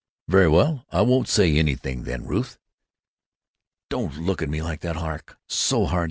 "Very well. I won't say anything, then, Ruth." "Don't look at me like that, Hawk. So hard.